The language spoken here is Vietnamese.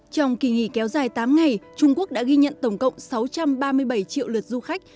trong kỳ nghỉ kéo dài tám ngày trung quốc đã ghi nhận tổng cộng sáu trăm ba mươi bảy triệu lượt du khách